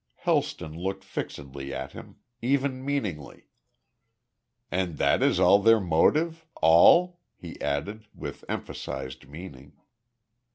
Helston looked fixedly at him, even meaningly. "And that is all their motive all?" he added, with emphasised meaning.